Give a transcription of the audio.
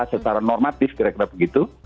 secara normatif kira kira begitu